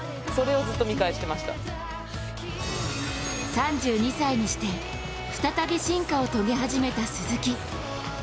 ３２歳にして、再び進化を遂げ始めた鈴木。